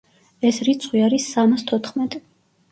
ეს რიცხვი არის სამას თოთხმეტი.